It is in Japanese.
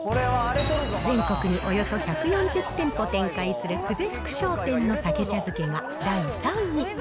全国におよそ１４０店舗展開する久世福商店のさけ茶漬けが第３位。